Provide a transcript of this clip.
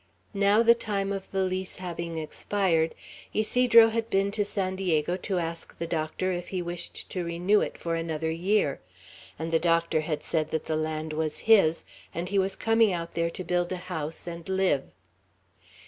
Now, the time of the lease having expired, Ysidro had been to San Diego to ask the Doctor if he wished to renew it for another year; and the Doctor had said that the land was his, and he was coming out there to build a house, and live.